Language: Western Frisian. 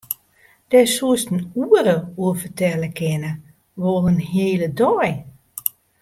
Dêr soest in oere oer fertelle kinne, wol in hele dei.